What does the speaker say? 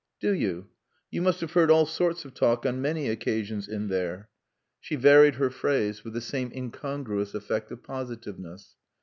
"Do you? You must have heard all sorts of talk on many occasions in there." She varied her phrase, with the same incongruous effect of positiveness.